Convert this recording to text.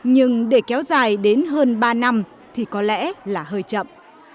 nhưng để kéo dài đến hơn ba năm thì có lẽ là hơi chậm